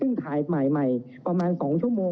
เรามีการปิดบันทึกจับกลุ่มเขาหรือหลังเกิดเหตุแล้วเนี่ย